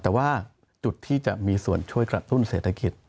แต่ว่าจุดที่จะมีส่วนช่วยกระตุ้นเศรษฐกิจ